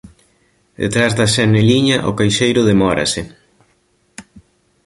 Detrás da xaneliña o caixeiro demórase.